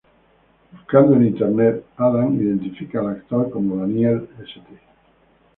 Buscando en internet, Adam identifica al actor como Daniel St.